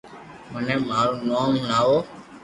مني مارو نوم ھڻاو